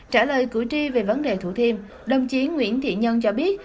trả lời cử tri về vấn đề thủ thiêm đồng chí nguyễn thiện nhân cho biết